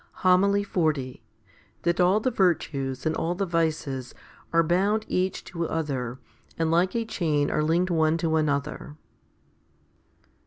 1 2 Pet. i. 4. 260 HOMILY XL That all the virtues and all the vices are bound each to other, and like a chain are linked one to another.